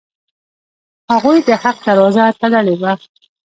هغوی د حق دروازه تړلې وه.